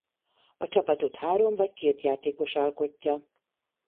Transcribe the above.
A csapatot három vagy két játékos alkotja.